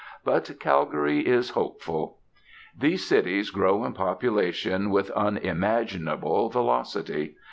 But Calgary is hopeful. These cities grow in population with unimaginable velocity.